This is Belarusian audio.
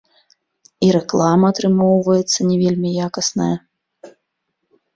І рэклама атрымоўваецца не вельмі якасная.